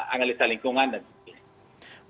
angga lisa lingkungan dan sebagainya